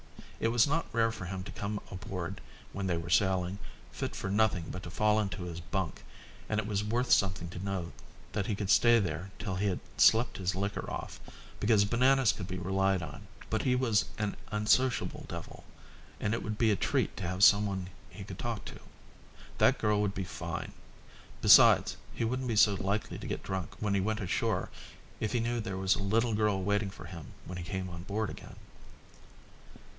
It was not rare for him to come aboard, when they were sailing, fit for nothing but to fall into his bunk, and it was worth something to know that he could stay there till he had slept his liquor off, since Bananas could be relied on. But he was an unsociable devil, and it would be a treat to have someone he could talk to. That girl would be fine. Besides, he wouldn't be so likely to get drunk when he went ashore if he knew there was a little girl waiting for him when he came on board again.